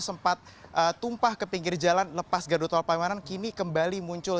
sempat tumpah ke pinggir jalan lepas gardu tol palimanan kini kembali muncul